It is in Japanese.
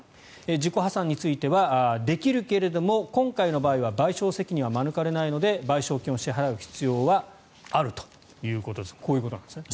自己破産についてはできるけれども今回の場合は賠償責任は免れないので賠償金を支払う必要はあるということですがこういうことなんですね。